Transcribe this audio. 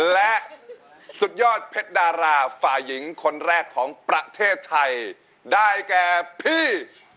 และสุดยอดเพชรดาราฝ่ายหญิงคนแรกของประเทศไทยได้แก่พี่